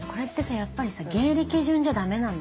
やっぱりさ芸歴順じゃダメなんだ？